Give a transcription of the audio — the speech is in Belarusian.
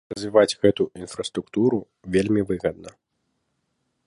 Развіваць гэту інфраструктуру вельмі выгадна.